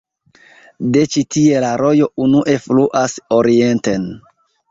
De ĉi-tie la rojo unue fluas orienten.